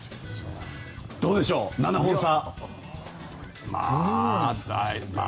どうでしょう、７本差。